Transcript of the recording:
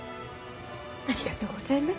ありがとうございます。